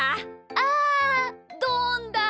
あどんだ！